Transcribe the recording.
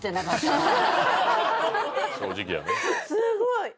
すごい。